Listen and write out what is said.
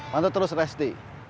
bantu terus resti